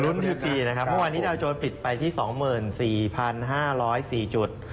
รุ่นทีปีนะครับเพราะวันนี้ดาวโจรปิดไปที่๒๔๕๐๔จุด